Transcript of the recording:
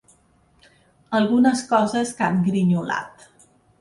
Algunes coses que han grinyolat.